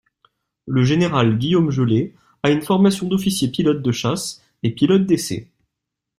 Le Général Guillaume Gelée a une formation d’officier pilote de chasse et pilote d’essais.